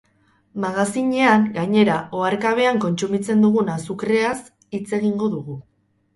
Magazinean, gainera, oharkabean kontsumitzen dugun azukreaz hitz egingo dugu.